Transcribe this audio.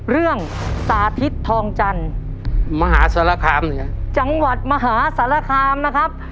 เรื่องสาธิตทองจันทร์มหาสารคามเหนือจังหวัดมหาสารคามนะครับ